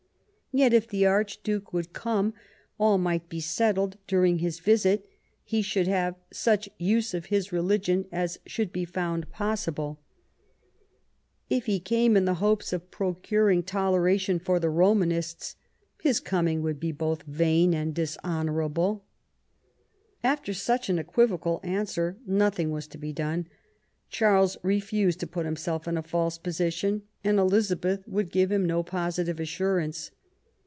Yet, if the Archduke would come, all might be settled; during his visit he should have " such use of his religion as should be found possible ". If he came in the hopes of pro curing toleration for the Romanists, his coming would be both vain and dishonourable". After such an equivocal answer, nothing was to be done. Charles refused to put himself in a false position, and Elizabeth would give him no positive assurance.